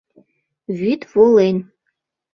Вӱд волен.